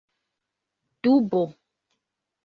dubo